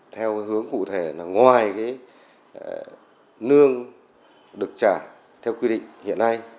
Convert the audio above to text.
theo hướng cụ thể là ngoài nương được trả theo quy định hiện nay